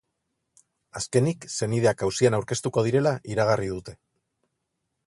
Azkenik, senideak auzian aurkeztuko direla iragarri dute.